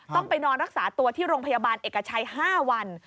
ต้องไปนอนรักษาตัวที่โรงพยาบาลเอกชัย๕วัน